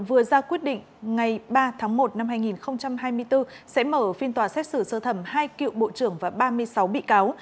vừa ra quyết định ngày ba tháng một năm hai nghìn hai mươi bốn sẽ mở phiên tòa xét xử sơ thẩm hai cựu bộ trưởng và ba mươi sáu bị cáo